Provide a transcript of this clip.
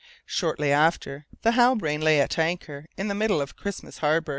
Shortly after the Halbrane lay at anchor in the middle of Christmas Harbour.